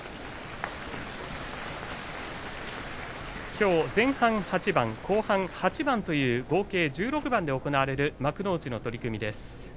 きょう前半８番後半、８番という１６番で行われる幕内の取組です。